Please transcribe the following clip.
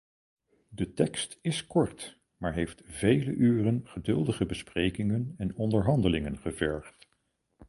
De tekst is kort, maar heeft vele uren geduldige besprekingen en onderhandelingen gevergd.